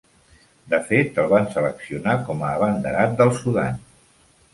De fet, el van seleccionar com a abanderat del Sudan.